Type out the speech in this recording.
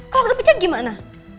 kalau udah pijat gimana